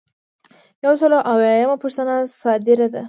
یو سل او اویایمه پوښتنه صادره ده.